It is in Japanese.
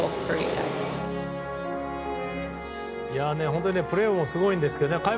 本当にプレーもすごいんですけどね。